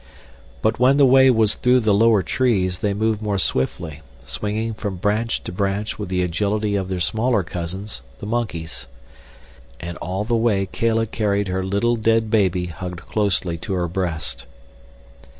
But when the way was through the lower trees they moved more swiftly, swinging from branch to branch with the agility of their smaller cousins, the monkeys. And all the way Kala carried her little dead baby hugged closely to her breast.